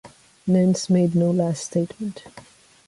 Nance made no last statement.